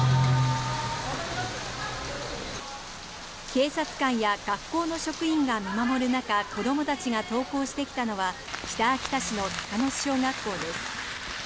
警察官や学校の職員が見守る中子どもたちが登校してきたのは北秋田市の鷹巣小学校です。